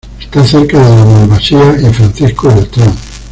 Está cerca de la Malvasía y Francisco Beltrán.